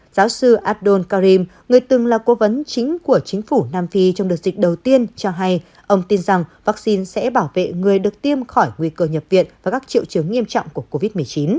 giáo sư abdul karim người từng là cố vấn chính của chính phủ nam phi trong đợt dịch đầu tiên cho hay ông tin rằng vaccine sẽ bảo vệ người được tiêm khỏi nguy cơ nhập viện và các triệu chứng nghiêm trọng của covid một mươi chín